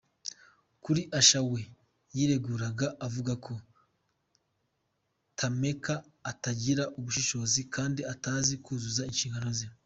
Kuri Usher we yireguraga avuga ko Tameka atagira ubushishozi kandi atazi kuzuza inshingano ze.